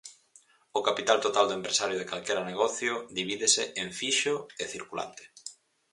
O capital total do empresario de calquera negocio divídese en fixo e circulante.